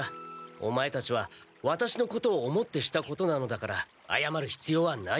オマエたちはワタシのことを思ってしたことなのだからあやまるひつようはない。